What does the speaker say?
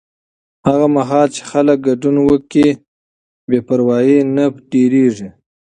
هغه مهال چې خلک ګډون وکړي، بې پروایي نه ډېریږي.